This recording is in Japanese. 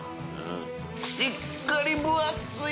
しっかり分厚い